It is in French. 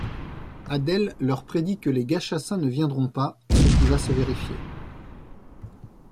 Adèle leur prédit que les Gachassin ne viendront pas, ce qui va se vérifier….